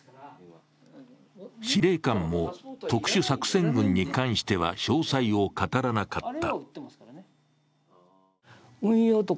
司令官も特殊作戦群に関しては詳細を語らなかった。